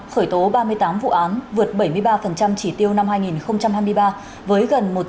khởi tố ba mươi tám vụ án vượt bảy mươi ba chỉ